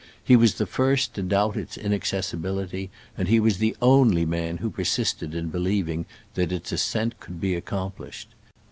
He was I he first to doubt its inaccessibility, and he was the only man who persisted in believing that its ascent would be ac complished.